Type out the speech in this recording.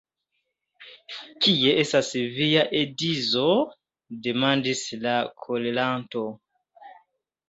Kie estas via edzo!? demandis la koleranto.